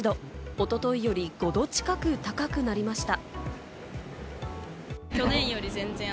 おとといより５度近く高くなりました。